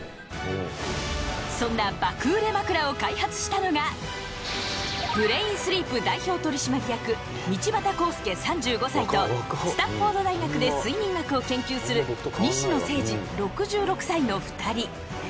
そんなブレインスリープ代表取締役道端孝助３５歳とスタンフォード大学で睡眠学を研究する西野精治６６歳の２人。